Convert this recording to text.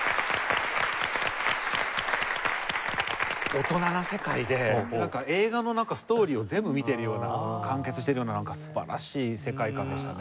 大人な世界でなんか映画のストーリーを全部見ているような完結しているような素晴らしい世界観でしたね。